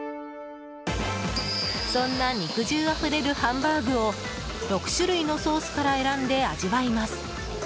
そんな肉汁あふれるハンバーグを６種類のソースから選んで味わいます。